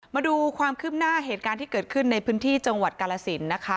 มาดูความคืบหน้าเหตุการณ์ที่เกิดขึ้นในพื้นที่จังหวัดกาลสินนะคะ